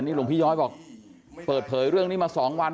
แต่นี่หลวงพี่ย้อยบอกเปิดเผยเรื่องนี้มาสองวัน